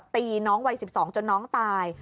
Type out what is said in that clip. ตีน้องวัย๑๒จนน้องตาย